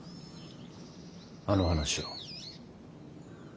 あの話を。